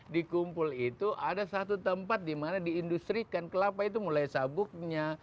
di kumpul itu ada satu tempat di mana diindustrikan kelapa itu mulai sabuknya